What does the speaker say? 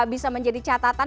bisa menjadi catatan